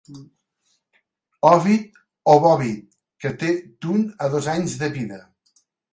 Òvid o bòvid que té d'un a dos anys de vida.